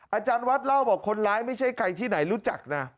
อาจารย์วัดเล่าบอกคนร้ายไม่ใช่ใครที่ไหนรู้จักนะ